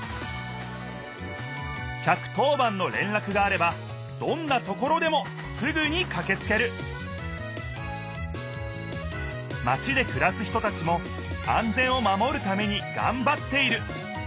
１１０番のれんらくがあればどんなところでもすぐにかけつけるマチでくらす人たちも安全を守るためにがんばっている。